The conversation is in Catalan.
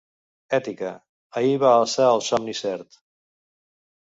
“Ètica: ahir va alçar el somni cert”.